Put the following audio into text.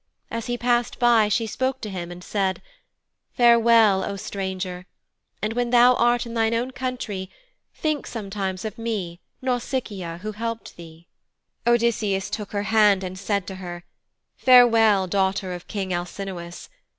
As he passed by, she spoke to him and said, 'Farewell, O Stranger! And when thou art in thine own country, think sometimes of me, Nausicaa, who helped thee.' Odysseus took her hand and said to her, 'Farewell, daughter of King Alcinous!